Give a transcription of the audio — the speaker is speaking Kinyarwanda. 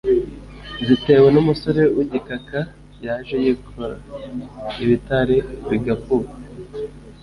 Zitewe n'umusore w'igikaka, yaje yikora ibitare bigakuka,